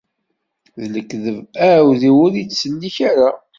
D lekdeb, aɛawdiw ur ittsellik ara.